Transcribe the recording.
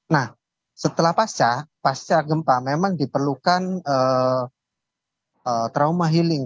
nah setelah pasca pasca gempa memang diperlukan trauma healing